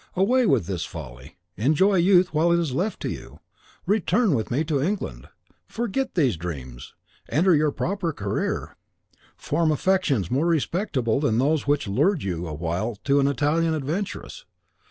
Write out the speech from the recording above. Away with this folly; enjoy youth while it is left to you; return with me to England; forget these dreams; enter your proper career; form affections more respectable than those which lured you awhile to an Italian adventuress.